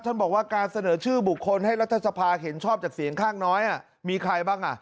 ท่านบอกว่าการเสนอชื่อบุคคลให้รัฐสภาเห็นชอบจากเสียงข้างน้อยมีใครบ้าง